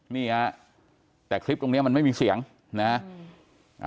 นี่ฮะแต่คลิปตรงเนี้ยมันไม่มีเสียงนะฮะ